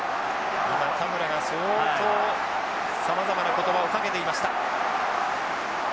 今田村が相当さまざまな言葉をかけていました。